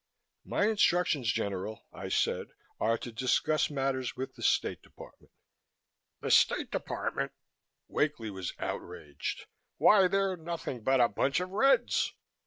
"My instructions, General," I said, "are to discuss matters with the State Department." "The State Department!" Wakely was outraged. "Why, they're nothing but a bunch of Reds!